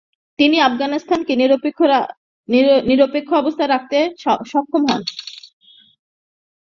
তিনি আফগানিস্তানকে নিরপেক্ষ অবস্থায় রাখতে সক্ষম হন।